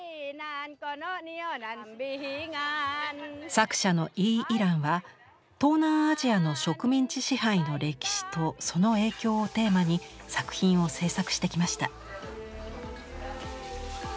作者のイー・イランは東南アジアの植民地支配の歴史とその影響をテーマに作品を制作してきました。